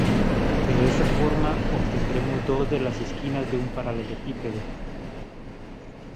De esa forma, obtendremos dos de las esquinas de un paralelepípedo.